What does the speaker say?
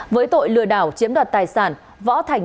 với tội lừa đảo chiếm đoạt tài sản